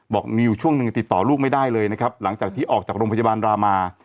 บอกมีอยู่ช่วงหนึ่งติดต่อลูกไม่ได้เลยนะครับหลังจากที่ออกจากโรงพยาบาลรามา